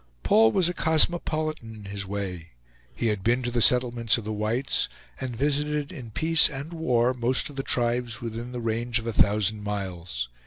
Paul was a cosmopolitan in his way; he had been to the settlements of the whites, and visited in peace and war most of the tribes within the range of a thousand miles.